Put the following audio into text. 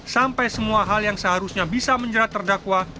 sampai semua hal yang seharusnya bisa menjerat terdakwa